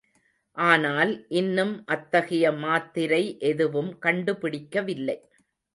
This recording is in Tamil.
ஆனால் இன்னும் அத்தகைய மாத்திரை எதுவும் கண்டுபிடிக்கவில்லை.